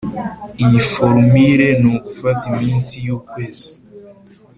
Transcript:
iyi forumule ni ugufata iminsi y’ukwezi